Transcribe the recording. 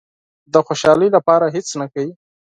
د خوشالۍ لپاره هېڅ نه کوي.